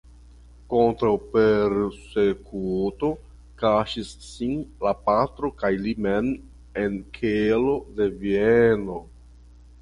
Kontraŭ persekuto kaŝis sin la patro kaj li mem en kelo de Vieno.